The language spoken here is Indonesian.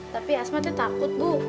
tapi asmatnya takut bu